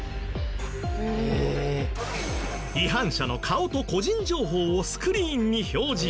違反者の顔と個人情報をスクリーンに表示。